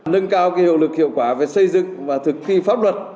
nâng cao hiệu lực hiệu quả về xây dựng và thực thi pháp luật